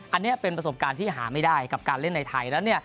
อันนี้เป็นประสบการณ์ที่หาไม่ได้กับการเล่นในไทยแล้ว